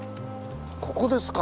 ここですか！